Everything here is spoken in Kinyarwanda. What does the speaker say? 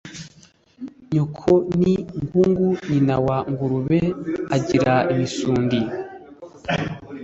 nyoko ni ngungu nyina wa ngurubc ag ira imisundi